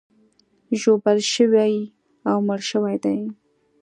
ژوبل شوي او مړه شوي دي.